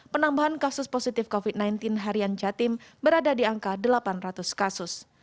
penambahan kasus positif covid sembilan belas harian jatim berada di angka delapan ratus kasus